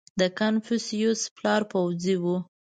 • د کنفوسیوس پلار پوځي و.